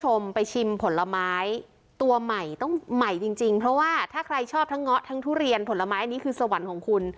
คุณผู้ชมไปชิมผลไม้ตัวใหม่ต้องใหม่จริงจริงเพราะว่าถ้าใครชอบทั้งเงาะทั้งทุเรียนผลไม้อันนี้คือสวรรค์ของคุณ